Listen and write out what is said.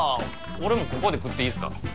俺もここで食っていいすか？